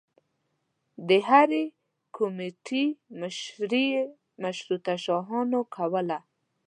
د هرې کومیټي مشري مشروطه خواهانو کوله.